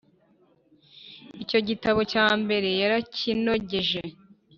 Icyo gitabo cya mbere yarakinogeje